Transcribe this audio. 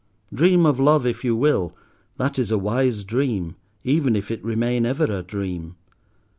Dream of love if you will; that is a wise dream, even if it remain ever a dream.